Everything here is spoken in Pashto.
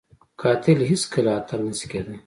قاتل هیڅ کله اتل نه شي کېدای